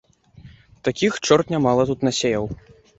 Такіх чорт нямала тут насеяў.